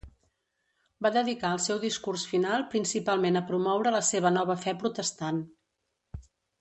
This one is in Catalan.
Va dedicar el seu discurs final principalment a promoure la seva nova fe protestant.